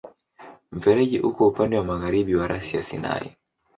Mfereji uko upande wa magharibi wa rasi ya Sinai.